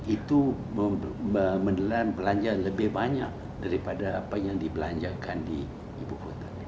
itu menelan belanja lebih banyak daripada apa yang dibelanjakan di ibu kota